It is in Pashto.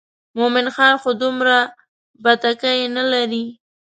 مومن خان خو دومره بتکۍ نه لري.